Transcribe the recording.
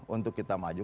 untuk kita maju